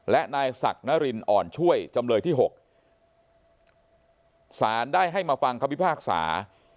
และนายศักดิ์นรินอ่อนช่วยจำเลยที่๖สารได้ให้มาฟังคำพิพากษา